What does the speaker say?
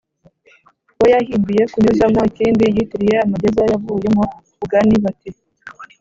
we yahimbiye kunyuzamo ikindi yitiriye amageza yavuyemo uugani bati